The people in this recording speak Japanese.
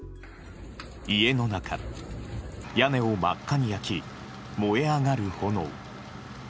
家の中、屋根を真っ赤に焼き、燃え上がる炎。